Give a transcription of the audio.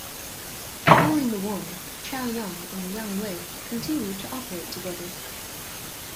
Following the war, "Chaoyong" and "Yangwei" continued to operate together.